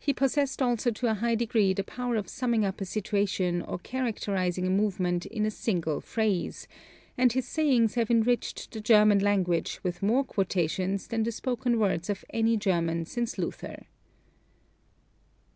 He possessed also to a high degree the power of summing up a situation or characterizing a movement in a single phrase; and his sayings have enriched the German language with more quotations than the spoken words of any German since Luther.